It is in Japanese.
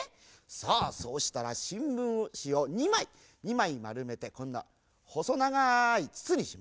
さあそうしたらしんぶんしを２まい２まいまるめてこんなほそながいつつにします。